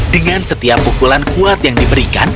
dengan setiap pukulan kuat yang diberikan